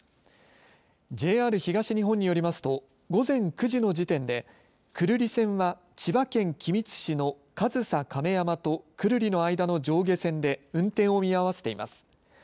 ＪＲ東日本によりますと午前９時の時点で久留里線は千葉県君津市の上総亀山と久留里の間の上下線で運転を見合わせています。